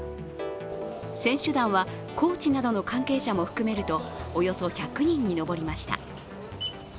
選手団はコーチなどの関係者も含めるとおよそ１００人に上りました。